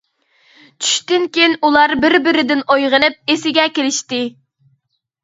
چۈشتىن كېيىن ئۇلار بىر-بىردىن ئويغىنىپ ئېسىگە كېلىشتى.